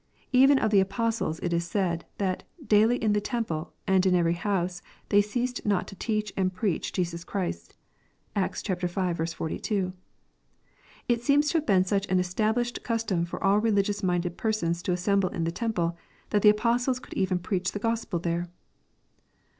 Even of the apostles it is said, that " daily in the tem ple, and in every house, ^ey ceased not to teach and preach Jesus Christ" (Acts V. 42.) It seems to have been such an established custom for all religious minded persons to assemble in the temple, that the apostles could even preach the Gospel there.